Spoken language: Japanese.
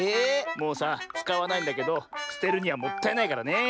もうさつかわないんだけどすてるにはもったいないからねえ。